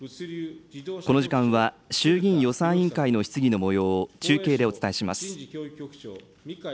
この時間は、衆議院予算委員会の質疑のもようを中継でお伝えします。